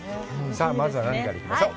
さあ、まずは何から行きましょう？